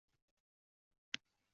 Talaba hazillashgisi kelib